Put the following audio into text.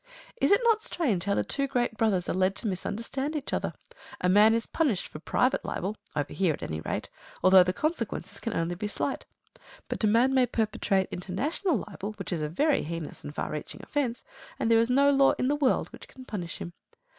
Is it not strange how the two great brothers are led to misunderstand each other? A man is punished for private libel (over here at any rate), although the consequences can only be slight. But a man may perpetrate international libel, which is a very heinous and far reaching offence, and there is no law in the world which can punish him.